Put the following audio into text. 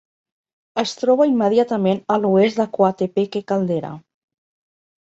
Es troba immediatament a l'oest de Coatepeque Caldera.